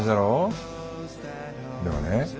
でもね